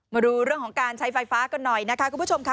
มาดูเรื่องของการใช้ไฟฟ้ากันหน่อยนะคะคุณผู้ชมค่ะ